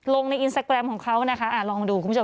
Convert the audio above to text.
ลงในอินสตาแกรมของเขานะคะลองดูคุณผู้ชม